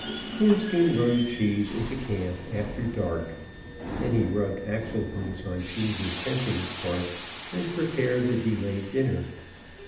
Coonskin rode Cheese into camp after dark. Then he rubbed axle grease on Cheese's sensitive part, and prepared the delayed dinner.